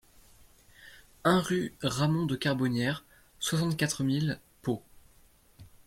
un rue Ramon de Carbonnieres, soixante-quatre mille Pau